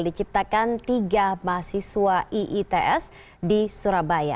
diciptakan tiga mahasiswa iits di surabaya